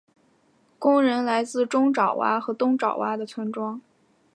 工人来自中爪哇和东爪哇的村庄。